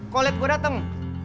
kalo liat gue dateng